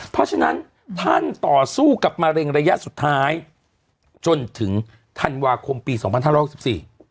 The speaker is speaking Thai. เพราะฉะนั้นท่านต่อสู้กับมะเร็งระยะสุดท้ายจนถึงธันวาคมปีสองพันห้าร้อยหกสิบสี่